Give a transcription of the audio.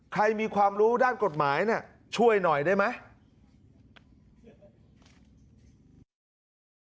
ใครมีความรู้ด้านกฎหมายช่วยหน่อยได้ไหม